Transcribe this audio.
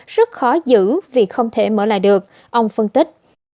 rất khó giữ vì không thể mở lại được ông phân tích